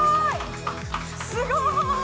すごーい！